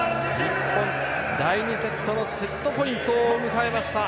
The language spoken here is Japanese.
第２セットのセットポイントを迎えました。